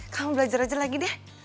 kamu belajar aja lagi deh